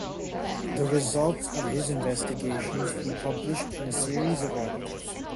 The results of his investigations he published in a series of articles.